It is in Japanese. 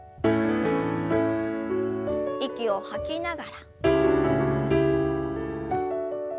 息を吐きながら。